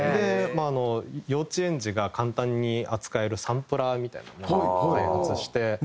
まああの幼稚園児が簡単に扱えるサンプラーみたいなものを開発して。